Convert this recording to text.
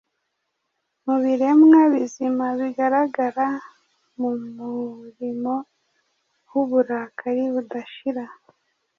Mubiremwa bizima bigaragara Mu muriro wuburakari budashira.